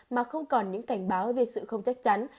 mà không còn những cảnh báo về sự không chắc chắn